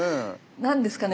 何ですかね